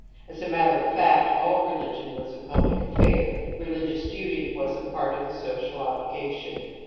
As a matter of fact all religion was a public affair; religious duty was a part of the social obligation.